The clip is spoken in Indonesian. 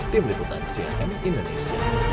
tim liputan cnm indonesia